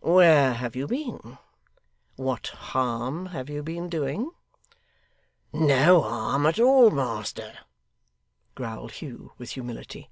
'Where have you been? what harm have you been doing?' 'No harm at all, master,' growled Hugh, with humility.